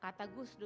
kata gus dur